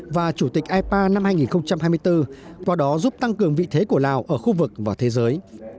và chủ tịch ipa năm hai nghìn hai mươi bốn qua đó giúp tăng cường vị thế của lào ở khu vực và thế giới